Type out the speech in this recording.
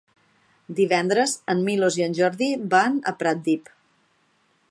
Divendres en Milos i en Jordi van a Pratdip.